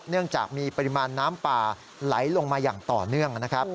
เนื่องจากมีปริมาณน้ำป่าไหลลงมาอย่างต่อเนื่องนะครับ